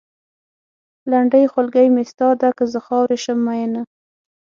لنډۍ؛ خولګۍ مې ستا ده؛ که زه خاورې شم مينه